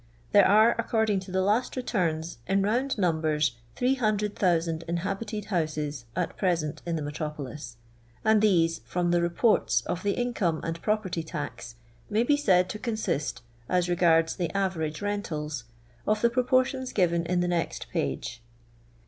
There are, according to the last returns, in round numbers, 300,000 inhabited houses at present in the metropolis, and these, from the " reports " of the income and property tax, may be said to cpnsist, as regards the average rentals, of the proportions given in the next page.